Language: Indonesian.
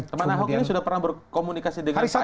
teman ahok ini sudah pernah berkomunikasi dengan pak heru